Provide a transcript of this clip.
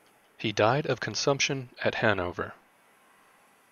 He died of consumption at Hanover.